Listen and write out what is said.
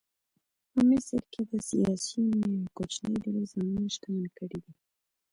په مصر کې د سیاسیونو یوې کوچنۍ ډلې ځانونه شتمن کړي دي.